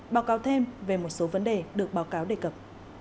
báo cáo thêm về một số vấn đề được báo cáo đề cập